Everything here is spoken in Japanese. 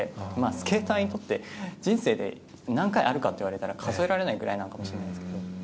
スケーターにとって人生で何回あるかと言われたら数えるぐらいかもしれないですけど。